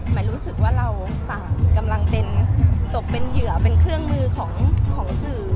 รู้สึกว่าเราต่างกำลังเป็นตกเป็นเหยื่อเป็นเครื่องมือของสื่อ